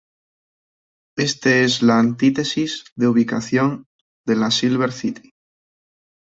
Este es la antítesis de ubicación de la Silver City.